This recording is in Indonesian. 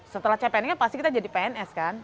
setelah cpn kan pasti kita jadi pns kan